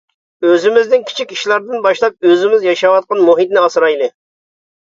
ئۆزىمىزدىن كىچىك ئىشلاردىن باشلاپ ئۆزىمىز ياشاۋاتقان مۇھىتنى ئاسرايلى!